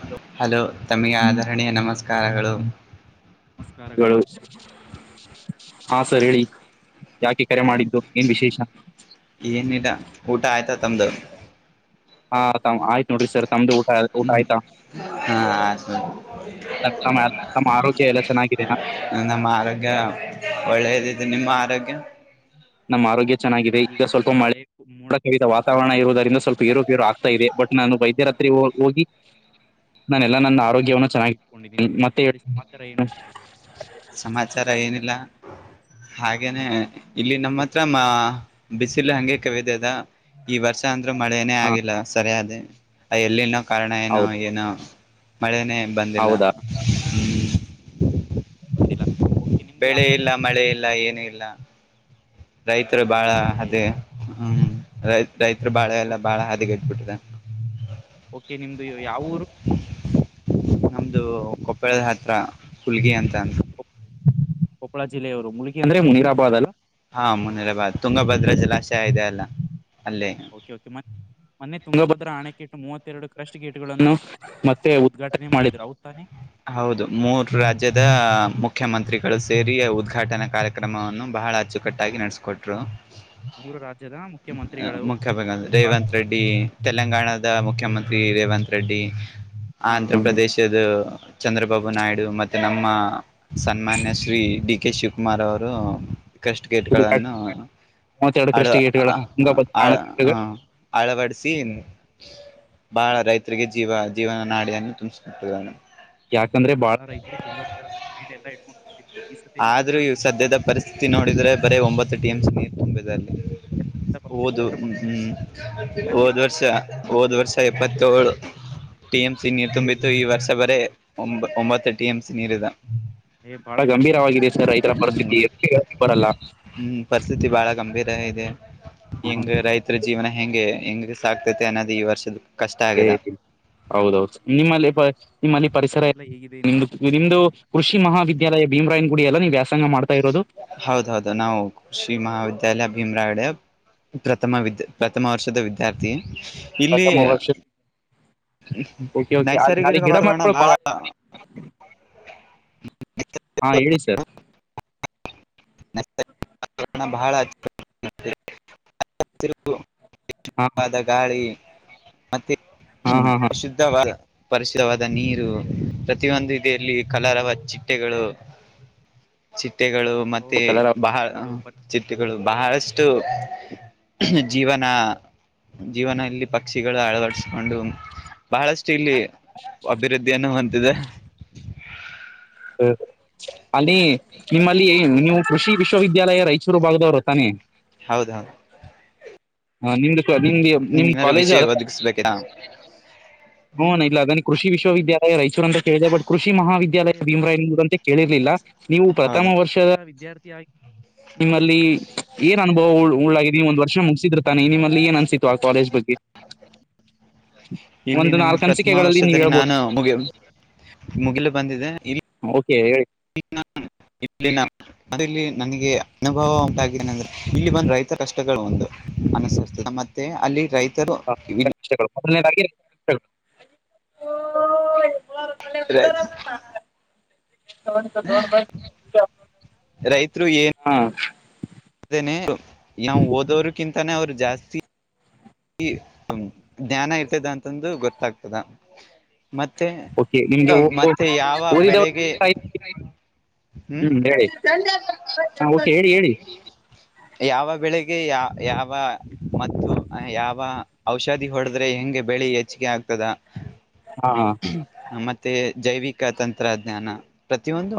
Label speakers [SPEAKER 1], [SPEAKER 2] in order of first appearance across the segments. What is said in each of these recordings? [SPEAKER 1] Hello
[SPEAKER 2] ತಮಗೆ
[SPEAKER 1] ಹ್ಮ್ಮ್
[SPEAKER 2] ಆಧರಣೀಯ ನಮಸ್ಕಾರಗಳು
[SPEAKER 1] ನಮಸ್ಕಾರಗಳು. ಹಾ ಸರ್ ಹೇಳಿ ಯಾಕೆ ಕರೆ ಮಾಡಿದ್ದು ಏನ್ ವಿಶೇಷ.
[SPEAKER 2] ಏನಿಲ್ಲ ಊಟಾ ಆಯ್ತಾ ತಮ್ಮದು.
[SPEAKER 1] ಹಾ ತಾವ ಆಯ್ತ ನೋಡ್ರಿ ಸರ್ -
[SPEAKER 2] ಅಂ-ಹ್ಮ- ಆಯ್ತು
[SPEAKER 1] ತಮ್- ತಮ್ಮ ತಮ್ಮ ಆರೋಗ್ಯ ಎಲ್ಲ ಚೆನ್ನಾಗಿದೆನಾ
[SPEAKER 2] ಸರ್ ನಮ್ಮ ಆರೋಗ್ಯ ಒಳ್ಳೇದದಿದೆ ನಿಮ್ಮ ಆರೋಗ್ಯ
[SPEAKER 1] ನಮ್ಮ ಆರೋಗ್ಯ ಚೆನ್ನಾಗಿದೆ ಈಗ ಸ್ವಲ್ಪ ಮಳೆ ಮೋಡ ಕವಿದ ವಾತಾವರಣ ಇರುವುದರಿಂದ ಸ್ವಲ್ಪ ಏರುಪೇರು ಆಗ್ತಾ ಇದೆ ಬಟ್ ನಾನು ವೈದ್ಯೇರೆತ್ರಿ ಇವಗಹೋಗಿ
[SPEAKER 2] ಟನ್ [unintelligible]
[SPEAKER 1] ನಾನೆಲ್ಲಾ ನನ್ನ ಆರೋಗ್ಯವನ್ನು ಚೆನ್ನಾಗಿ ಇಟ್ಕೊಂಡಿದ್ದೀನಿ ಮತ್ತೆ ಹೇಳಿ ಸಮಾಚಾರ ಏನು
[SPEAKER 2] ಸಮಾಚಾರ ಏನಿಲ್ಲ ಹಾಗೇನೆ ಇಲ್ಲಿ ನಮ್ಮ ಹತ್ರ ಮಾ ಬಿಸಿಲು ಹಂಗೆ ಕವಿದಿದೆ ಅದ ಈ ವರ್ಷ ಅಂದ್ರೆ ಮಳೆನೇ
[SPEAKER 1] ಹಾ
[SPEAKER 2] ಆಗಿಲ್ಲ ಸರಿಯಾಗೆ ಅ ಎಲ್ಲಿನೋ ಕಾರಣ ಏನೊ
[SPEAKER 1] ಹೌದು
[SPEAKER 2] ಏನೊ ಮಳೆನೆೇ ಬಂದಿಲ್ಲ
[SPEAKER 1] ಹೌದಾ
[SPEAKER 2] ಹು
[SPEAKER 1] ಬಂದಿಲ್ಲ ಓಕೆ ನಿಮ್ದು ಯಾವ
[SPEAKER 2] ಬೆಳೆ ಇಲ್ಲ ಮಳೆ ಇಲ್ಲ ಏನು ಇಲ್ಲ ರೈತರು
[SPEAKER 1] ಬೆಳೆ
[SPEAKER 2] ಬಾಳ
[SPEAKER 1] ಇಲ್ಲ ಮಳೆ
[SPEAKER 2] ಅದೇ
[SPEAKER 1] ಇಲ್ಲ
[SPEAKER 2] ಹ್ಮ್ ರೈ ರೈತರು ಬಾಳ ಎಲ್ಲ ಬಾಳ ಹದಗೆಟ್ಬಿಟ್ಟಿದೆ
[SPEAKER 1] ಓಕೆ ನಿಮ್ದು ಯಾವಊರು
[SPEAKER 2] ನಮ್ದು ಕೊಪ್ಪಳದ ಹತ್ರ ಹುಲ್ಗಿ ಅಂತ
[SPEAKER 1] ಕೊಪ್ಪಳ ಜಿಲ್ಲೆಯವರು ಮುಳುಗಿ ಅಂದ್ರೆ ಮು ನೀರಾಬಾದ ಅಲ್ಲ
[SPEAKER 2] ಹಾ ಮನೀರ ಬಾದ್ ತುಂಗಭದ್ರಾ ಜಲಾಶಯ ಇದೆ ಅಲ್ಲಾ
[SPEAKER 1] ಓಕೆ ಓಕೆ ಮತ್ ಮನ್ನೆ ತುಂಗಭದ್ರ ಹಣೆಕಿಟ್ಟು ಮೂವತ್ತೆರಡು ಕ್ರಷ್ಟ ಗೇಟ್ಗಳನ್ನು ಮತ್ ತ್ತೆ ಉದ್ಘಾಟನೆ ಮಾಡಿದ್ರು ಹೌದು ತಾನೇ
[SPEAKER 2] ಹೌದು ಮೂರು ರಾಜ್ಯದ ಮುಖ್ಯಮಂತ್ರಿಗಳು ಸೇರಿ ಉದ್ಘಾಟನಾ ಕಾರ್ಯಕ್ರಮವನ್ನು ಬಹಳ ಅಚ್ಚುಕಟ್ಟಾಗಿ ನಡೆಸ್ಕೊಟ್ರು
[SPEAKER 1] ಮೂರು ರಾಜ್ಯದ ಮುಖ್ಯಮಂತ್ರಿಗಳು
[SPEAKER 2] ರೇವಂತ್ ರೆಡ್ಡಿ ತೆಲಂಗಾಣದ ಮುಖ್ಯಮಂತ್ರಿ ರೇವಂತ್ ರೆಡ್ಡಿ ಆಂಧ್ರ ಪ್ರ್ರದೇಶದು ಚಂದ್ರಬಾಬು ನಾಯ್ಡು ಮತ್ತೆ ನಮ್ಮ ಸನ್ಮಾನ್ಯ ಶ್ರೀ ಡಿ ಕೆ ಶಿವಕುಮಾರ್ ಅವರು ಕಷ್ಟ್
[SPEAKER 1] ಇದು ಕರೆಕ್ಟ್.
[SPEAKER 2] ಗೇಟ್ಗಳನ್ನು
[SPEAKER 1] ಮೂವತ್ತೆರಡು
[SPEAKER 2] ಅಳು
[SPEAKER 1] ಕೃಷಿ ಗೇಟ್ಗಳ
[SPEAKER 2] ಅ
[SPEAKER 1] ತುಂಗಭದ್ರ
[SPEAKER 2] ಅ
[SPEAKER 1] ಕಾರಣಕ್ಕೆ
[SPEAKER 2] ಹ ಅಳವಡಿಸಿ ಬಾಳ ರೈತರಿಗೆ ಜೀವ ಜೀವನ ನಾಡಿಯನ್ನು ತುಂಬಿಸಿ ಕೊಟ್ಟಿದ್ದಾರೆ
[SPEAKER 1] ಯಾಕಂದ್ರೆ ಬಾಳ ರೈತರು ತುಂಗಭದ್ರ ಮನೆ ಮೇಲೆ ಎಲ್ಲಾ ಇಟ್ಕೊಂಡಿದ್ರು ಈ ಸಲ
[SPEAKER 2] ಆದ್ರೂ
[SPEAKER 1] ಮೂವತ್ತೆರಡು
[SPEAKER 2] ಇವು ಸದ್ಯದ ನೋಡಿದ್ರೆ ಬರೀ ಒಂಬತ್ತು ಟಿ ಎಂ ಸಿ ನೀರ್ ತುಂಬಿದೆ ಅಲ್ಲಿ ಹಓದು ಹ್ಮ್ ಹ್ಮ್
[SPEAKER 1] ಇನ್ನ ನೀರು
[SPEAKER 2] ಹೋದ್ ವರ್ಷ
[SPEAKER 1] ಬಿಡುತ್ತಿಲ್ಲ
[SPEAKER 2] ಹೋದ್ ವರ್ಷ ಎಪ್ಪತ್ತೇಳು ಟಿ ಎಂ ಸಿ ನೀರ್ ತುಂಬಿತ್ತು ಈ ವರ್ಷ ಬರೇ ಒಮ್ಬ ಒಂಬತ್ತು ಟಿ ಎಂ ಸಿ ನೀರಿದೆ
[SPEAKER 1] ಏ ಬಾಳ ಗಂಭೀರವಾಗಿದೆ ಸರ್ ರೈತರ
[SPEAKER 2] ಹ್ಮ್
[SPEAKER 1] ಪರಿಸ್ಥಿತಿ ಎತ್ತಿಗೆ ಯಾಕ್ ಬರಲ್ಲ
[SPEAKER 2] ಹ್ಮ್ ಪರಿಸ್ಥಿತಿ ಬಹಳ ಗಂಭೀರ ಇದೆ
[SPEAKER 1] ಹ
[SPEAKER 2] ಹೆಂಗೆ ರೈತರು ಜೀವನ ಹೆಂಗೆ ಹೆಂಗೆ ಸಾಕ್ತೈತೆ ಅನ್ನೋದು ಈ ವರ್ಷದ ಕಷ್ಟ ಆಗಿದೆ
[SPEAKER 1] ಹೌದೌದು ನಿಮ್ಮಲ್ಲಿ ನಿಮ್ಮಲ್ಲಿ ಬಟ್ ಪರಿಸರ ಎಲ್ಲ ಹೇಗಿದೆ ನಿಮ್ದು ನಿಮ್ದು ಕೃಷಿ ಮಹಾವಿದ್ಯಾಲಯ ಭೀಮರಾಯನ್ ಗುಡಿ ಎಲ್ಲ ನೀವ್ಯಾಸ
[SPEAKER 2] ಹೌದೌದು ನಾವು ಕೃಷಿ ಮಹಾವಿದ್ಯ ತೈಲ ಭೀಮ್ರಾಡೆಯವ್ ಪ್ರಥಮ ವಿದ್ ಪ್ರಥಮ ವರ್ಷದ ವಿದ್ಯಾರ್ಥಿ ಇಲ್ಲಿ
[SPEAKER 1] ಪ್ರಥಮ ವರ್ಷ ಓಕೆ ಓಕೆ ಅ ಹಾಲಿ
[SPEAKER 2] ನೈಸರ್ಗಿಕ
[SPEAKER 1] ಗಿಡ
[SPEAKER 2] ವಾತಾವರಣ
[SPEAKER 1] ಮರಗಳು
[SPEAKER 2] ಬಹಳ
[SPEAKER 1] ಬಾಳ್ ಹಾ ಹೇಳಿ ಸರ್
[SPEAKER 2] ಬಹಳಚ್ಚ ಹಸಿರು [unintelligible]
[SPEAKER 1] ಹಾ
[SPEAKER 2] ದಟ್ಟವಾದ ಗಾಳಿ ಮತ್ತೆ
[SPEAKER 1] ಹಾ ಹಾ ಹಾ
[SPEAKER 2] ಶುದ್ಧವಾದ ಪರಿಶುದ್ಧವಾದ ನೀರು ಪ್ರತಿಯೊಂದು ಇದೆ ಇಲ್ಲಿ ಕಲರ್ವ ಚಿಟ್ಟೆಗಳು ಚಿಟ್ಟೆಗಳು
[SPEAKER 1] ಕಲರವ
[SPEAKER 2] [unintelligible] ಬಹಳ
[SPEAKER 1] ಚಿಟ್ಟೆಗಳು
[SPEAKER 2] ಚಿಟ್ಟೆಗಳು ಬಹಳಷ್ಟು ಜೀವನ ಜೀವನದಲ್ಲಿ ಪಕ್ಷಿಗಳು ಅಳವಡಿಸಿಕೊಂಡು ಬಹಳಷ್ಟು [unintelligible] ಇಲ್ಲಿ ಅಭಿವೃದ್ಧಿಯನ್ನು ಹೊಂದಿದೆ
[SPEAKER 1] ಹ ಅಲ್ಲಿ ನಿಮ್ಮಲ್ಲಿ ನೀವು ಕೃಷಿ ವಿಶ್ವವಿದ್ಯಾಲಯ ರಾಯಚೂರು ಭಾಗದವರು ತಾನೆ
[SPEAKER 2] ಹೌದ ಹೌದು
[SPEAKER 1] ಹಾ ನಿಮ್ದು ನಿಮ್ದು ನಿಮ್
[SPEAKER 2] ನಿಮ್ಗೆ ಏನಾದ್ರು
[SPEAKER 1] ಕಾಲೇಜ್
[SPEAKER 2] ವಿಷಯ
[SPEAKER 1] ಅಳವ
[SPEAKER 2] ಒದಗಿಸ್ಬೇಕಾ ಹ್ಮ್
[SPEAKER 1] ಹ್ನ್ ಇಲ್ ಅದೇನಿ ಕೃಷಿ ವಿಶ್ವಿದ್ಯಾಲಯ ರೈಚೂರು ಅಂತ ಕೇಳಿದೆ ಬಟ್ ಕೃಷಿ ಮಾಹ ವಿದ್ಯಾಲಯ ಭೀಮ್ರಾ ಎುದಂತೆ ಕೇಳಿರ್ಲಿಲ್ಲ ನೀವು ಪ್ರಥಮ
[SPEAKER 2] ಹೌದು
[SPEAKER 1] ವರ್ಷದ ವಿದ್ಯಾರ್ಥಿ ಆಗ ನಿಮ್ಮಲ್ಲಿ ಏನ್ ಅನುಭವ ಉಳ್ಳಿದ ಒಂದ್ ವರ್ಷ ಮುಗಿಸಿದ್ರ [unintelligible] ತಾನೆ ನಿಮ್ಮಲ್ಲಿ ಏನ್ ಅನ್ಸತ್ತು ಆ ಕಾಲೇಜ್ ಬಗ್ಗೆ [unintelligible]
[SPEAKER 2] ಇಲ್ಲಿ ನಮ್ಗೆ
[SPEAKER 1] ನಾಲ್ಕು
[SPEAKER 2] ಪ್ರಥಮ
[SPEAKER 1] ಅನಿಸಿಕೆಗಳಲ್ಲಿ ನೀವ್
[SPEAKER 2] ವರ್ಷದಲ್ಲಿ
[SPEAKER 1] ಹೇಳ್ಬೋದು
[SPEAKER 2] ನಾನು ಮುಗ ಮುಗಿಲು ಬಂದಿದೆ ಇ
[SPEAKER 1] ಓಕೆ ಹೇಳಿ [unintelligible]
[SPEAKER 2] ಇಡ್ಲಿ ನ ಅದು ಇಲ್ಲಿ ನನಗೆ ಅನುಭವ ಉಂತಾಗಿದೆ ಅಂದ್ರೆ ಇಲ್ಲಿ ಬಂದು ರೈತ ಕಷ್ಟಗಳು ಒಂದು ಅನಸ್ತದೆ ಮತ್ತೆ ಅಲ್ಲಿ ರೈತ [unintelligible]
[SPEAKER 1] ಹ [inaudible]
[SPEAKER 2] ರತ [unintelligible]
[SPEAKER 1] ಹ್ಮ [unintelligible]
[SPEAKER 2] ಅೇನೆ ಯಾವ ಓದೋ್ರಕ್ಕಿಂತಾನೇ ಅವರು ಜಾಸ್ತಿ ಈ ಜ್ಞಾನ ಇರ್ತದ ಅಂತಂದು ಗೊತ್ತಾಗ್ತದ [unintelligible] ಮತ್ತೆ
[SPEAKER 1] ಓಕೆ ನಿಮ್ಗೆ ಓ- ಓ-
[SPEAKER 2] ಮತ್ತೆ ಯಾವ ಬೆಳೆಗೆ
[SPEAKER 1] ಓದಿದವರಿಗಿಂತ ಐದು- ಹ್ಮ್ ಹೇಳಿ ನ ಊಟ್ಟ ಹೇಳಿ ಹೇಳಿ [unintelligible]
[SPEAKER 2] ಯಾವ ಬೆಳಿಗೆ ಯ ಯಾವ ಮತ್ತು ಯಾವ ಔಷಧಿ ಹೊಡೆಡದ್ರೆ ಹೆಂಗೆ ಬೆಳಿ ಹೆಚ್ಚಿಗೆ ಆಗ್ತದ
[SPEAKER 1] ಹಾ ಹಾ
[SPEAKER 2] ಮತ್ತೆ [unintelligible] ಮತ್ತ ಜೈವಿಕ ತಂತ್ರಜ್ಞಾನ ಪ್ರತಿಯೊಂದು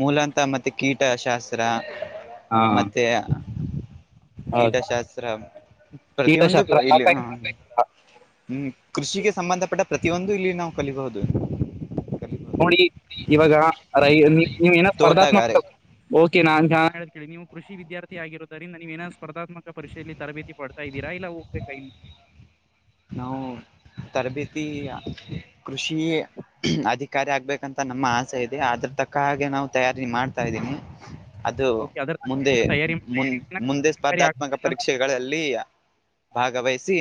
[SPEAKER 2] ಮೂಲಂತ ಮತ್ತೆ ಕೀಟ ಶಾಸ್ತ್ರ
[SPEAKER 1] ಹಾ
[SPEAKER 2] ಮತ್ತೆ
[SPEAKER 1] ಹೌದು.
[SPEAKER 2] ಕೀಟಶಾಸ್ತ್ರ ಪ್ರತಿಯೊಂದು
[SPEAKER 1] ಕೀಟಶಾಸ್ತ್ರ
[SPEAKER 2] ಇಲ್ಲಿ
[SPEAKER 1] ರಾಸಾಯನಿಕ
[SPEAKER 2] ಹ್ಮ
[SPEAKER 1] ಶಾಸ್ತ್ರ
[SPEAKER 2] ಕೃಷಿಗೆ ಸಂಬಂಧಪಟ್ಟ ಪ್ರತಿಯೊಂದು ಇಲ್ಲಿ ನಾವು ಕಲಬಹುದು [unintelligible]
[SPEAKER 1] ನೋಡಿ ಇವಾಗ ರೈ ನೀವ್ ಏನೋ
[SPEAKER 2] ತೋಟಗಾರೆ
[SPEAKER 1] ಸ್ಪರ್ಧಾತ್ಮಕ ಓಕೆ ನಾನ್ [unintelligible] ಕೇಳಿ ನೀವು ಕೃಷಿ ವಿದ್ಯಾರ್ಥಿ ಆಗಿರೋದರಿಂದ ನೀವ್ ಏನೋ ಸ್ಪರ್ಧಾತ್ಮಕ ಪರೀೆಯಲ್ಲಿ ತರಬೇತಿ ಪಡ್ತಾ ಇದ್ದೀರಾ ಇಲ್ಲ ಹೋಗ್ಬೇಕ ಇಲ್ಲಿ [unintelligible]
[SPEAKER 2] ನಾವು ತರಬೇತಿ ಕೃಷಿ ಅಧಿಕಾರಿ ಆಗ್ಬೇಕಂತ ನಮ್ಮ ಆಸೆ ಇದೆ ಅದ್ರ ತಕ್ಕ ಹಾಗೆ ನಾವು ತಯಾರಿ ಮಾಡ್ತವಿ ತ ಇದ್ದೀನಿ [unintelligible] ಅದು ಮುಂದೆ ಮು ಮುಂದೆ ಸ್ಪರ್ಧಾತ್ಮಕ ಪರೀಕ್ಷೆಗಳಲ್ಲಿ ಭಾಗವಹಿಸಿ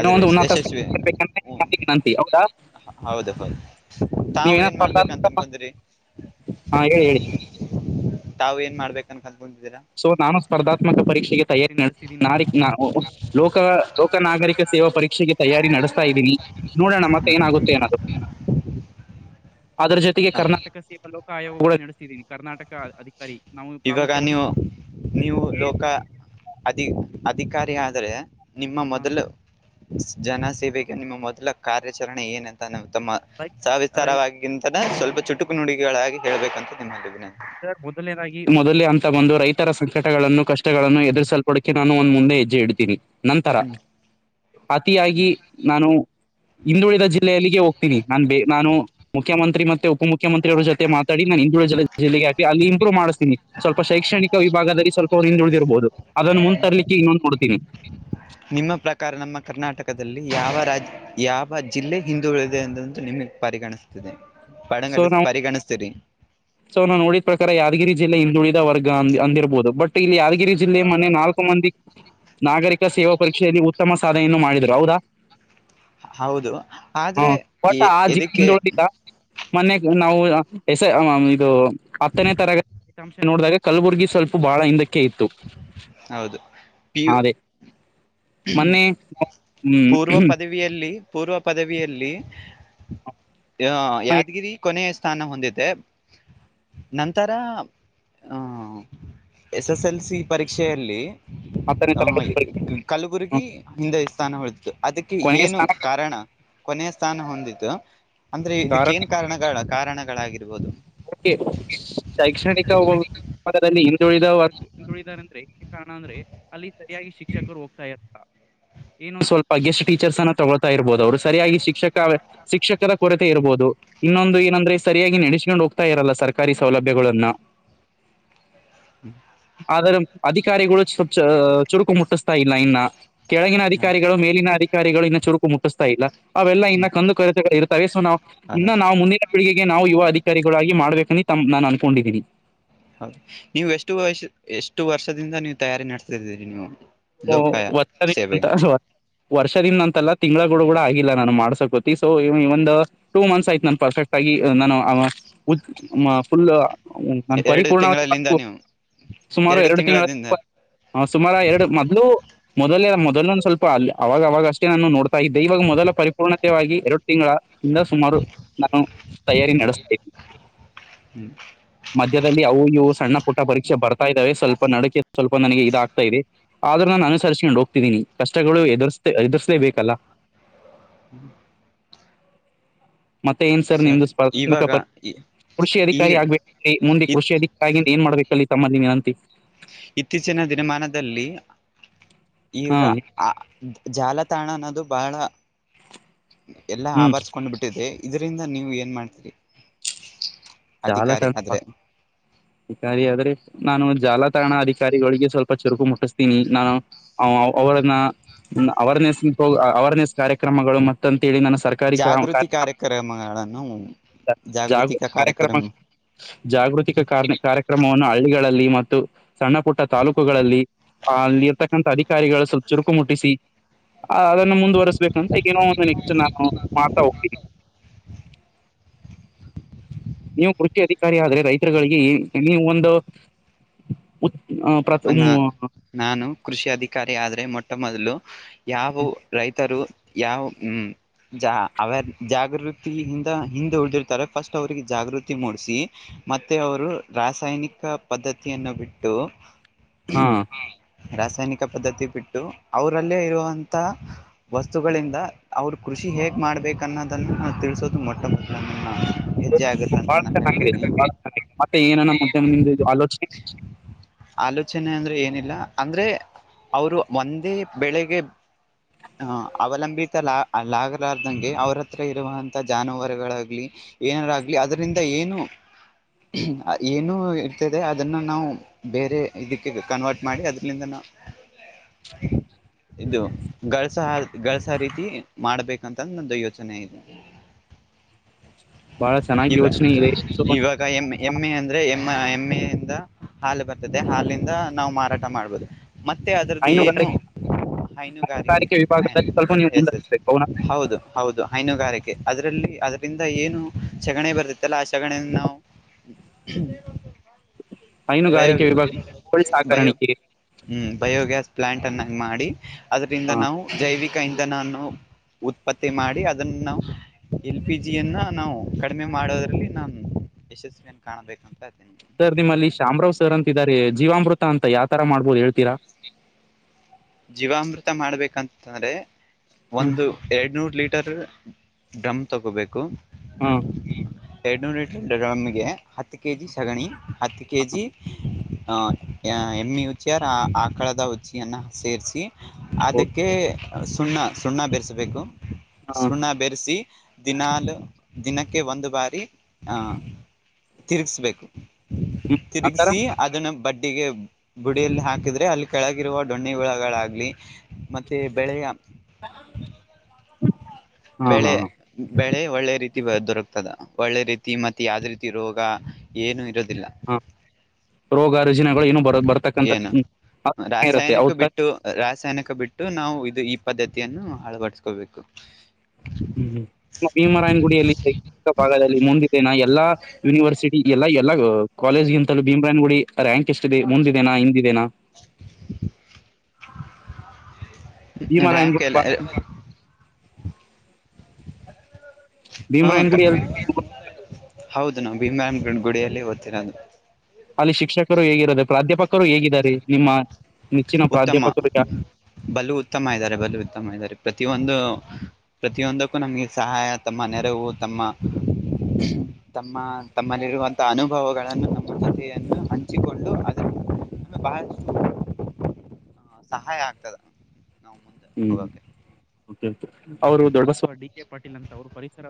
[SPEAKER 1] ಏನೋ ಒಂದು ಉನ್ನತ
[SPEAKER 2] ಯಶಸ್ವಿ
[SPEAKER 1] ಸ್ಥಾನಕ್ಕೆೇರ್ಬೇಕಂದ್ರೆ ನಿಮ್ಮಲ್ಲಿ ವಿನಂತಿ ಹೌದಾ
[SPEAKER 2] ಹೌದು ಹೌದು ತಾವು
[SPEAKER 1] ನೀವೇನ
[SPEAKER 2] ಏನ್ ಮಾಡ್ಬೇಕು
[SPEAKER 1] ಸ್ಪರ್ಧಾತ್ಮಕ
[SPEAKER 2] ಅಂತ
[SPEAKER 1] ಪ-
[SPEAKER 2] ಅನ್ಕೊಂಡಿ
[SPEAKER 1] ಹಾ ಹೇಳಿ ಹೇಳಿ
[SPEAKER 2] ತಾವ್ ಏನ್ ಮಾಡ್ಬೇಕ ಅನ್ಲ್
[SPEAKER 1] ಸೊ ನಾನು ಸ್ಪರ್ಧಾತ್ಮಕ ಪರೀಕ್ಷೆಗೆ ತಯಾರಿ ನಡೆಸ್ತಿದ್ದೀನಿ ನ ನಾ ಲೋಕ ಲೋಕ ನಾಗರಿಕ ಸೇವಾ ಪರೀಕ್ಷೆಗೆ ತಯಾರಿ ನಡೆಸ್ತಾ ಇದ್ದೀನಿ ನೋಡೋಣ ಮತ್ತೆ ಏನಾಗುತ್ತೆ ಅನ್ನೋದು ಅದು
[SPEAKER 2] ಹ.
[SPEAKER 1] ಕರ್ನಾಟಕ ಸೇವಾ ಲೋಕ ಆಯೋಗ ಕೂಡ ನಡೆಸ್ಸತಿದ್ದೀನಿ ಕರ್ನಾಟಕ ಅಧಿಕಾರಿ ನಾವು
[SPEAKER 2] ಇವಾಗ
[SPEAKER 1] ಪ್ರಾಮುಖ್ಯವಾಗಿ [unintelligible]
[SPEAKER 2] ನೀವು ನೀವು ಲೋಕ ಅಧಿ ಅಧಿಕಾರಿ ಆದ್ರೆ ನಿಮ್ಮ ಮೊದಲು ಜನ ಸೇವೆಗೆ ನಿಮ್ಮ ಮೊದಲ ಕಾರ್ಯಾಚರಣೆ ಏನ ಅಂತೋ ತಮ್ಮ ಸವಿಸ್ತಾರವಾಗಿಗಿಂತನ ಸ್ವಲ್ಪ ಚುಟು ನುಡುಿಗಳಾಗಿ ಹೇಳ್ಬೇಕಂತ ನಿಮ್ಮಲ್ಲಿ ವಿನ
[SPEAKER 1] ಸ ಮೊದಲೇನಾಗಿ ಮೊದಲೇ ಅಂತ ಬಂದು ರೈತರ ಸಂಕಟಗಳನ್ನು ಕಷ್ಟಗಳನ್ನು ಎದುರ್ರಿಸಲ್ ಕೊೊಡಕೆ ನಾನು ಒಂದ್ ಮುಂದೆ ಹೆಜ್ಜೆ ಇಡ್ತೀನಿ ನಂತರ
[SPEAKER 2] ಹ್ಮ್
[SPEAKER 1] ಅತಿಯಾಗಿ ನಾನು ಹಿಂದುಳಿದ ಜಿಲ್ಲೆಯಲ್ಲಿಗೆ ಹೋಗ್ತೀನಿ ನಾನ್ ಬ ನಾನು ಮುಖ್ಯಮಂತ್ರಿ ಮತ್ತ ಉಪ ಮುುಖ್ಯಮಂತ್ರಿ ಅವರ ಜೊತೆ ಮಾತ್ರ [unintelligible] ಅಿನ ನೀಳ [unintelligible] ಅಲ್ಲಿ ಇಂಪೂವ್ ಮಾಡಿಸ್ತಿನಿ ಸ್ಲ್ಪ ಶೈಣಿಕ ವಿಭಾಗದಲ್ಲಿ ಸ್ವಲ್ಪ ಹಂದುಿಳಿರಬಹುದು ಅದನ್ನು ಮುಂದ ತರಲಿಕ್ಕೆ ಇನ್ನೊಂದು ನೋತನಿ [unintelligible] ಹ
[SPEAKER 2] ನಿಮ್ಮ ಪ್ರಕಾರ ನಮ್ಮ ಕರ್ನಾಟಕದಲ್ಲಿ ಯಾವ ರಾಜ್ ಯಾವ ಜಿಲ್ಲೆ ಹಿದೂಗಳಿದೆ ಅನ್ನ ನಿಮಗೆ ಪರಿಗಣಿಸ್ತಿದೆ
[SPEAKER 1] ಸೊ
[SPEAKER 2] ಪರಿಗಣಿಸ್
[SPEAKER 1] ನಾವು
[SPEAKER 2] ಪರಿಗಣಿಸ್ತೀರಿ
[SPEAKER 1] ಸೊ ನಾವು ನೋಡಿದ ಪ್ರಕಾರ ಯಾದಗಿರಿ ಜಿಲ್ಲೆ ಹಿಂದುಳಿದ ವರ್ಗ ಅ ಅಂದಿರಬಹುದು ಬಟ್ ಇಲ್ಲಿ ಯಾದಗಿರಿ ಜಿಲ್ಲೆ ಮನೆೆ ನಾಲ್ಕು ಮಂದಿ ನಾಗರಿಕ ಸೇವಾ ಪರೀಕ್ಷೆಯಲ್ಲಿ ಉತ್ತಮ ಸಾಧನೆಯನ್ನು ಮಾಡಿದ್ರು ಹೌದಾ
[SPEAKER 2] ಹೌದು ಆದ್ರೆ ಎ ಎದಕ್ಕೆ
[SPEAKER 1] [unintelligible] ಮೊನ್ನ ನಾವು ಎಸ ಇದು ಹತ್ತನೇ ತರಗ ಂ ನೋಡಿದಾಗ ಕಲ್ಬುರ್ಗಿ ಸ್ವಲ್ಪ ಬಾಳ ಹಿಂದ
[SPEAKER 2] ಹೌದು ಪಿ
[SPEAKER 1] [unintelligible] ಮನ್ನೆ
[SPEAKER 2] ಪೂರ್ವ
[SPEAKER 1] ಹ್ಮ್
[SPEAKER 2] ಪದವಿಯಲ್ಲಿ ಪೂರ್ವ ಪದವಿಯಲ್ಲಿ ಯಾದಗಿರಿ ಕೊನೆಯ ಸ್ಥಾನ ಹೊಂದಿದೆೆ ನಂತರ S S L C C ಪರೀಕ್ಷೆಯಲ್ಲಿ
[SPEAKER 1] ಹತ್ತನೇ ತರಗತಿ ಪರೀಕ್ಷೆ
[SPEAKER 2] ಕಲಬುರಗಿ ಹಿಂದೆ ಸ್ಥಾನ ಹ ಅದಕ್ಕೆ
[SPEAKER 1] ಕೊನೆಯ
[SPEAKER 2] ಏನು
[SPEAKER 1] ಸ್ಥಾನ
[SPEAKER 2] ಕಾರಣ ಕೊನೆಯ ಸ್ಥಾನ ಹೊಂದಿದ್ದು ಅಂದ್ರೆ ಇದಕ್ಕ ಏನ್ ಕಾರಣಗಳ ಕಾರಣಗಳಾಗಿರ್ಬೋದು
[SPEAKER 1] ಶೈಕ್ಷಣಿಕದದಲ್ಲಿ ಹಿಂದುಳಿದ ವರ್ ಹಿಂದುಳಿದ ಕಾರಣ ಅಂದ್ರೆ ಅಲ್ಲಿ ಸರಿಯಾಗಿ ಶಿಕ್ಷಕರು ಹೋಗ್ತಾ ಇಲ್ಲ ಏನು ಸ್ವಲ್ಪ ಗೆ ಷ್ಟು ಟೀಚರ್ಸ್ ಅನ್ನು ತಗೊಳ್ತಾ ಇರ್ಬೋುದು ಅವ್ರು ಸರಿಯಾಗಿ ಶಿಕ್ಷಕ ಶಿಕ್ಷಕದ ಕೊರತೆ ಇರ್ಬಹದು ಇನ್ನೊಂದು ಏನಂದ್ರೆ ಸರಿಯಾಗಿ ನೆಸ್ಕೊಂಡ್ ಹೋಗ್ತಾರೆ ಇರಲ್ಲ ಸರ್ಕಾರಿ ಸೌಲಭ್ಯಗಳನ್ನು
[SPEAKER 2] ಹ್ಮ್
[SPEAKER 1] ಆದರೆ ಅಧಿಕಾರಿಗಳು ಸ್ವಲ್ಪ ಚುರುಕು ಮುಟ್ಟಿಸ್ತಾ ಇಲ್ಲ ಇನ್ನ ಕೆಳಗಿನ
[SPEAKER 2] ಹ್ಮ್
[SPEAKER 1] ಅಧಿಕಾರಿಗಳು ಮೇಲಿನ ಅಧಿಕಾರಿಗಳು ಇನ್ನು ಚುರುಕು ಮುಟ್ಟಿಸ್ತಾ ಇಲ್ಲ ಅವೆಲ್ಲ ಇನ್ನ
[SPEAKER 2] ಹ್ಮ್,
[SPEAKER 1] ಕಂದು ಕೊರೆತೆಗಳು ಇರ್ತವೆ ಸೊ ನಾವು ಇನ್ನ
[SPEAKER 2] ಹೌದಾ
[SPEAKER 1] ನಾವು ಮುಂದಿನ ಪೀಳಿಗೆಗೆ ನಾವು ಯುವ ಅಧಿಕಾರಿ ಾಗಿ ಮಾಡ್ಬೇಕ ತ ನಾನು ಅನ್ಕೊಂಡಿದ್ದೀನಿ
[SPEAKER 2] ಹೌದು ನೀವು ಎಷ್ಟು ವರ್ಷ ಎಷ್ಟು ವರ್ಷದಿಂದ ನೀವು ತಯಾರಿ ನಡೆಸ್ತಿದ್ದೀರಿ ನೀವು ಲೋಕಾಯ ಸೇವೆ
[SPEAKER 1] [unintelligible] ವರ್ಷದಿಂದ ಅಂತಲ್ಲ ತಿಂಗಳಗಳು ಕೂಡ ಆಗಿಲ್ಲ ನಾನು ಮಾಡ್ಸೋಕೋತಿ ಸೊ ಒಂದು ಟೂ ಮಂತ್ಸ್ ಆಯ್ತು ನನ್ ಪರ್ಫೆಕ್ಟ್ ಆಗ ನಾನು ಫುಲ್ ನ
[SPEAKER 2] ಎರಡು
[SPEAKER 1] ಪರಿಪೂರ್ಣ
[SPEAKER 2] ತಿಂಗಳಲ್ಲಿಂದ ನೀವು
[SPEAKER 1] ಸುಮಾರು ಎರಡು ತಿಂಗಳ ಸುಮಾರು ಎರಡು ಮ ಮೊದಲೇ ಮೊದಲಂದು ಸ್ವಲ್ಪ ಅ ಅವಾಗ ಅವಾಗ ಅಷ್ಟೇ ನಾನು ನೋಡ್ತಾ ಇದ್ದೆ ಇವಾಗ ಮೊದಲ ಪರಿಪೂರ್ಣತೆವಾಗಿ ಎರಡು ತಿಂಗಳ ಇಂದ ಸುಮಾರು ನಾನು ತಯಾರಿ ನಡೆಸ್ತೇನೆ
[SPEAKER 2] ಹ್ಮ್
[SPEAKER 1] ಮಧ್ಯದಲ್ಲಿ ಅವು ಇವು ಸಣ್ಣ ಪುಟ್ಟ ಪರೀಕ್ಷೆ ಬರ್ತಾ ಇದ್ದಾವೆ ಸ್ವಲ್ಪ ಸ್ವಪ ನಡಿಕೆ ಸ್ವಲ್ಪ ನನಗೆ ಇದಾಗಗ್ತಾ ಇದೆ ಆದ್ರೆ ನಾನು ಅನುಸಸ್ಕೊಂಡು ಹೋಗ್ತಿದ್ದೀನಿ ಕಷ್ಟಗಳು ಎದುರ್ಸ್ ಎದುಸ್ಲೇ ಬಲ್ಲ
[SPEAKER 2] ಹ್ಮ್
[SPEAKER 1] ಮತ್ತೆ ಏನ್ ಸರ್ ನಿಮ್ದು
[SPEAKER 2] ಸರಿ
[SPEAKER 1] ಸ್ಪರ್ಧಾತ್ಮಕ
[SPEAKER 2] ಇವಾಗ
[SPEAKER 1] ಪರೀಕ್ಷೆ
[SPEAKER 2] ಈ-
[SPEAKER 1] ಕೃಷಿ
[SPEAKER 2] ಈಗ
[SPEAKER 1] ಅಧಿಕಾರಿ ಆಗ್ಬೇಕ ಮುಂದೆ
[SPEAKER 2] ಇತ್
[SPEAKER 1] ಕೃಷಿ ಅಧಿಕಾರಿ ಆಗಿಂದ ಏನ್ ಮಾಡ್ಬೇಕ ಅ ತಮ್ಮ
[SPEAKER 2] ಇತ್ತೀಚಿನ ದಿನಮಾನದಲ್ಲಿ
[SPEAKER 1] ಹಾ
[SPEAKER 2] ಈಗ ಆ ಜಾಲತಾಣ ಅನ್ನೋದು ಬಹಳ ಎಲ್ಲ
[SPEAKER 1] ಹ್ಮ್
[SPEAKER 2] ಆವರ್ರಿಸಕೊಂಡ್ಬಿಟ್ಟಿದೆ ಇದರಿಂದ ನೀವು ಏನ್ ಮಾಡ್ತೀರಿ
[SPEAKER 1] ಸಾಲ
[SPEAKER 2] ಅಧಿಕಾರಿ
[SPEAKER 1] ತ
[SPEAKER 2] ಆದ್ರೆ
[SPEAKER 1] ಅಧಿಕಾರಿ ಆದ್ರೆ ನಾನು ಜಾಲತಾಣ ಅಧಿಕಾರಿಗಳಿಗೆ ಸ್ವಲ್ಪ ಚುರುಕು ಮುಟ್ಟಿಸ್ತೀನಿ ನಾನು ಅವರ್ನೆಸ್ ಅವರ್ನೆಸ್ ಕಾರ್ಯಕ್ರಮಗಳು ಮತ್ತೊಮ್ಮೆ ಳಿ ನನ್ನು ಸರ್ಕಾರಿ ಕ
[SPEAKER 2] ಜಾಗೃತಿ
[SPEAKER 1] ಕಾರ್ಯಕ್ರಮ
[SPEAKER 2] ಕಾರ್ಯಕ್ರಮಗಳನ್ನು ಜಾಗೃತಿಕ
[SPEAKER 1] ಜಾಗೃತಿ ಕಾರ್ಯ ಮ
[SPEAKER 2] ಕಾರ್ಯಕ್ರಮ
[SPEAKER 1] ಜಾಗೃತಿಕ ಕಾರ ಕಾರ್ಯಕ್ರಮವನ್ನು ಹಳ್ಳಿ ಮತ್ತು ಸಣ್ಣ ಪುಟ್ಟ ತಾಲೂಕುಗಳಲ್ಲಿ ಅಲ್ಲಿ ಇರ್ತಕ್ಕಂಥ ಅಧಿಕಾರಿಗಳು ಸ್ವಲ್ಪ ಚುರುಕು ಮುಟ್ಟಿಸಿ ಅದನ್ನ ಮುಂದುವರಿಸಸ್ಬೇಕು ಅಂತ ಏನೋ ಒಂದು ನೆಕ್ಸ್ಟ್ ನಾನು ಮಾಡ್ತಾ ಹೋಗ್ತೀನಿ ನೀವು ಕೃಷಿ ಅಧಿಕಾರಿ ಆದ್ರೆ ರೈತರುಗಳಿಗೆ ನೀವು ಒಂದು
[SPEAKER 2] ನ ನಾನು ಕೃಷಿ ಅಧಿಕಾರಿ ಆದ್ರೆ ಮೊಟ್ಟ ಮೊದಲು ಯಾವ ರೈತರು ಯಾವ ಹ್ಮ ಜ ಅವರ್ ಜಾಗೃತಿಿಯಿಂದ ಹಿಂದೆ ಉಳ್ದಿರ್ತಾರೆ ಫಸ್ಟ್ ಅವ್ರಿಗೆ ಜಾಗೃತಿ ಮೂಡಿಸಿ ಮತ್ತೆ ಅವರು ರಾಸಾಯನಿಕ ಪದ್ಧತಿಯನ್ನು ಬಿಟ್ಟು
[SPEAKER 1] ಹಾ
[SPEAKER 2] ರಾಸಾಯನಿಕ ಪದ್ಧತಿ ಬಿಟ್ಟು ಅವರಲ್ಲೇ ಇರುವಂತ ವಸ್ತುಗಳಿಂದ ಅವ್ರ ಕೃಷಿ ಹೇಗ ಮಾಡ್ಬೇಕು ಅನ್ನೋದನ್ನು ತಿಳಿಸೋದು ಮೊಟ್ಟ ಮೊದಲನ್ನಾ
[SPEAKER 1] ಬಾಳ ಚೆನ್ನಾಗಿದೆ ಸರ್ ಬಾಳ ಚೆನ್ನಾಗಿದೆ ಮತ್ತ ಮತ್ತೆ ಏನಣ ಮತ್ತೆ ಮುಂದೆ ನಿಮ್ದದು ಆಲೋಚನೆ
[SPEAKER 2] ಆಲೋಚನೆ ಅಂದ್ರೆ ಏನಿಲ್ಲ ಅಂದ್ರೆ ಅವರು ಒಂದೇ ಬೆಳಗೆ ಹ ಅವಲಂಬಿತ ಲಾ ಲಾಗಲಾರ್ದಂಗೆ ಅವ್ರ ಹತ್ರ ಇರುವಂತ ಜಾನವಾರುಗಳಾಗ್ಲಿ ಏನಾರ ಆಗ್ಲಿ ಅದ್ರಿಂದ ಏನು ಏನು ಇರ್ತದೆ ಅದನ್ನ ನಾವು ಬೇರೆ ಇದಕ್ಕೆ ಕನ್ವರ್ಟ್ ಮಾಡಿ ಅದ್ರಿಂದ ನಾವು ಇದು ಕಲ್ಸ ಗಳ್ಸ ರೀತಿ ಮಾಡ್ಬೇಕಂತ ನಂದು ಯೋಚನೆ ಅಯ್ತೆ
[SPEAKER 1] ಬಹಳ ಚೆನ್ನಾಗಿ
[SPEAKER 2] ಇವ
[SPEAKER 1] ಯೋಚನೆ ಇದೆ ಸೊ
[SPEAKER 2] ಇವಾಗ ಎಮ್ ಎ ಎಮ್ ಎ ಅಂದ್ರೆ ಎ ಎಂ ಎ ದ ಹಾಲು ಬರ್ತದೆ ಹಾಲಿಂದ ನಾವು ಮಾರಾಟ ಮಾಡ್ಬೋದು ಮತ್ತೆ ಅದ್ರದ್ದು ಏನು
[SPEAKER 1] ಹೈನುಗಾರಿಕೆ
[SPEAKER 2] ಇದು
[SPEAKER 1] ಹೈನುಗಾರಿಕೆ ವಿಭಾಗದಲ್ಲಿ ಸ್ವಲ್ಪ ನೀವು ಮುಂದರಿಸ್ಬೇಕು ಅವನ
[SPEAKER 2] [unintelligible] ಹೌದು ಹೌದು ಹೈನುಗಾರಿಕೆ ಅದರಲ್ಲಿ ಲ್ಲಿ ಅದರಿಂದ ಏನು ಸಗಣಿ ಬರ್ತಿತ್ತಲ್ಲ ಆ ಶಗಣಿಯ ನಾವು ಬಯ
[SPEAKER 1] ಹೈನುಗಾರಿಕೆ ವಿಭಾಗ ಕೋಳಿ
[SPEAKER 2] ಬಯೋ
[SPEAKER 1] ಸಾಕಾಣಿಕೆ
[SPEAKER 2] ಹ್ಮ್ ಬಯೋಗ್ಯಾಸ್ ಪ್ಲಾಂಟ್ ಅನ್ನ ಮಾಡಿ ಅದ್ರಿಂದ
[SPEAKER 1] ಹ
[SPEAKER 2] ನಾವು ಜೈವಿಕ ಇಂಧನವನ್ನು ಉತ್ಪತ್ತಿ ಮಾಡಿ ಅದನ್ನ ನಾವು ಎಲ್ ಪಿ ಜಿಯನ್ನ ನಾವು ಕಡಿಮೆ ಮಾಡೋದ್ರಲ್ಲಿ ನಾವು ಯಶಸ್ವಿಯನ ಕಾಣಬೇಕ
[SPEAKER 1] ಸರ್ ನಿಮ್ಮಲ್ಲಿ ಶಾಮರಾವ್ ಸರ್ ಅಂತಿದ್ದಾರೆ ಜೀವಾಮೃತ ಅಂತ ಯಾವತರ ಮಾಡ್ಬೋದು ಅಂತ ಹೇಳ್ತೀರಾ
[SPEAKER 2] ಜೀವಾಮೃತ ಮಾಡ್ಬೇಕಂತಂದ್ರೆ ಒಂದು ಎರಡ್ನೂರ್ ಲೀಟರ್ ರ್ ಡ್ರಮ್ ತಗೋಬೇಕು
[SPEAKER 1] ಹ
[SPEAKER 2] ಎರಡುನೂರು ಲೀಟರ್ ಡ್ರಮ್ಮಗೆ ಹತ್ತು ಕೆ ಜಿ ಸಗಣಿ ಹತ್ತು ಕೆ ಜಿ ಎಮ್ ಇ ಉತ್ಚಿ ಆರ್ ಆಕಳದ ಉಚ್ಚಿಯನ್ನು ಸೇರಿಸಿ ಅದಕ್ಕೆ ಸುಣ್ಣ ಸುಣ್ಣ ಬೆರೆಸಬೇಕು
[SPEAKER 1] ಹ
[SPEAKER 2] ಸುಣ್ಣ ಬೆರಸಿ ದಿನಾಲು ದಿನಕ್ಕೆ ಒಂದು ಬಾರಿ ಆ ತಿರುಗಿಸ್ಬೇಕು
[SPEAKER 1] ನಂತರ
[SPEAKER 2] ತಿರುಗಸಿ ಅದನ್ನ ಬಡ್ಡಿಗೆ ಬುಡಿಯಲ್ಲಿ ಹಾಕಿದ್ರೆ ಅಲ್ಲಿ ಕೆಳಗಿರುವ ದೊಣ್ಣಿ ಹುಳಗಳಾಗ್ಲಿ ಮತ್ತೆ ಬೆಳೆಯ
[SPEAKER 1] [unintelligible]
[SPEAKER 2] ಬೆಳೆ
[SPEAKER 1] ಹಾ
[SPEAKER 2] ಬೆಳೆ ಒಳ್ಳೆ ರೀತಿ ದೊರಕ್ತದ ಒಳ್ಳೆ ರೀತಿ ಮತ್ತೆ ಯಾವ್ದ ರೀತಿ ರೋಗ ಏನು ಇರೋದಿಲ್ಲ
[SPEAKER 1] ಹಾ ರೋಗ ರುಜಿನಗಳು ಏನು ಬರೋ ಬರ್ತಕ್ಕಂಥ
[SPEAKER 2] ಏನು
[SPEAKER 1] ಕಡಿಮೆ ಇರುತ್ತೆ ಅವು
[SPEAKER 2] ರಾಸಾಯನಿಕ
[SPEAKER 1] ತರ
[SPEAKER 2] ಬಿಟ್ಟು ರಾಸಾಯನಿಕ ಬಿಟ್ಟು ದು ನಾವು ಇದು ಈ ಪದ್ಧತಿಯನ್ನು ಅಳವಡಸ್ಕೋಬೇಕು
[SPEAKER 1] ಹ್ಮ್್ಮ್ ನಿಮ್ಮ ಭೀಮರಾಯನಗುಡಿಯಲ್ಲಿ ಶೈಕ್ಷಣಿಕ ಭಾಗದಲ್ಲಿ ಮುಂದಿದ್ದನ ಎಲ್ಲಾ ಯೂನಿವರ್ಸಿಟಿ ಎಲ್ಲ ಎಲ್ಲ ಕಾಲೇಜ್ಗಿಂತಲ್ಲೂ ಭೀಮ್ರಾಯನ್ ಗುಡಿ ರಾಂಕ್ ಎಷ್ಟಿದೆ ಮುಂದಿದೆನಾ ಹಿಂದ ಇದೇನಾ
[SPEAKER 2] ರಾಂಕ
[SPEAKER 1] ಭೀಮರಾಯನಗುಡಿ
[SPEAKER 2] ಎಲ್ಲ
[SPEAKER 1] ಭೀಮರಾಯನಗುಡಿ ಎಲ್ಲಿ
[SPEAKER 2] [unintelligible] ಹೌದು ನಾವು ಭೀಮ್ರಯ ಗುಡಿಯಲ್ಲಿ ಓದ್ತಿರೋದು
[SPEAKER 1] ಅಲ್ಲಿ ಶಿಕ್ಷಕರು ಹೇಗಿರೋದ ಪ್ರಾಧ್ಯಾಪಕರು ಹೇಗಿದ್ದಾರೆ ನಿಮ್ಮ ನೆಚ್ಚಿನ
[SPEAKER 2] ಉತ್ತಮ
[SPEAKER 1] ಪ್ರಾಧ್ಯಾಪಕರು ಯಾರು?
[SPEAKER 2] ಬಲು ಉತ್ತಮ ಇದ್ದಾರೆ ಬಲು ಉತ್ತಮ ಇದಾರೆ ಪ್ರತಿಯೊಂದು ಪ್ರತಿಯೊಂದಕ್ಕೂ ನಮಗೆ ಸಹಾಯ ತಮ್ಮ ನೆರವು ತಮ್ಮ ತಮ್ಮ ತಮ್ಮಲ್ಲಿರುವಂತ ಅನುಭವಗಳನ್ನು ತಮ್ಮ ಜತೆಯನ್ನು ಹಂಚಿಕೊಂಡು ಅದನ್ನು ನಮಗೆ ಬಹಳ [unintelligible] ಸಹಾಯ ಆಗ್ತದ ನಾವ್ ಮುಂದೆ
[SPEAKER 1] ಹ್ಮ್
[SPEAKER 2] ಹೋಗೋಕೇ
[SPEAKER 1] ಅವರು ದೊಡ್ಡಬಸವ ಡಿ ಕೆ ಪಾಟೀಲ್ ಅಂತ ಅವರು ಪರಿಸರ